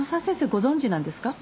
ご存じなんですか？